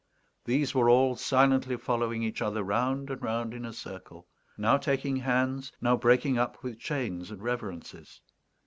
These were all silently following each other round and round in a circle, now taking hands, now breaking up with chains and reverences.